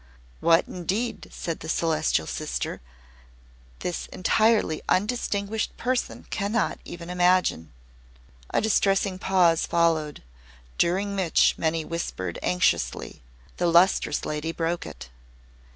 "What, indeed!" said the Celestial Sister. "This entirely undistinguished person cannot even imagine." A distressing pause followed, during which many whispered anxiously. The Lustrous Lady broke it.